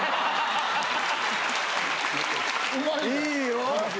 いいよ！